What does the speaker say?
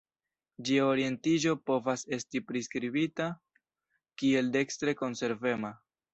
Ĝia orientiĝo povas esti priskribita kiel dekstre konservema.